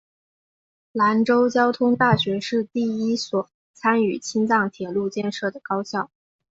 兰州交通大学是第一所参与青藏铁路建设的高校。